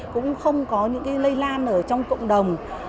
cũng không có những lây lan ở trong cộng đồng